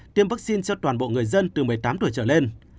tiêm vaccine cho toàn bộ người dân từ một mươi tám tuổi trở lên